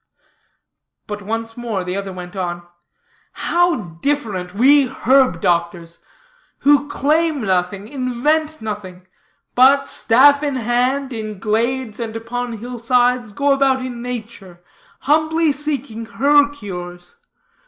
But, once more, the other went on: "How different we herb doctors! who claim nothing, invent nothing; but staff in hand, in glades, and upon hillsides, go about in nature, humbly seeking her cures.